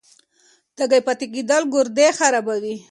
تږی پاتې کېدل ګردې خرابوي.